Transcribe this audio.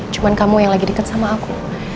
cuman kamu yang lagi deket sama aku